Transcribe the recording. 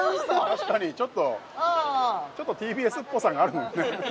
確かにちょっとちょっとＴＢＳっぽさがあるもんね